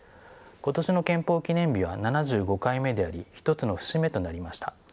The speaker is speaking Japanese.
今年の憲法記念日は７５回目であり一つの節目となりました。